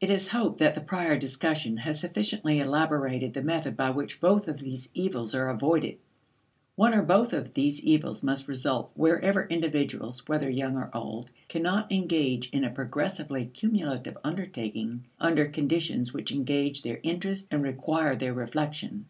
It is hoped that the prior discussion has sufficiently elaborated the method by which both of these evils are avoided. One or both of these evils must result wherever individuals, whether young or old, cannot engage in a progressively cumulative undertaking under conditions which engage their interest and require their reflection.